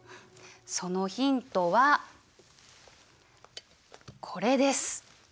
そのヒントはこれです。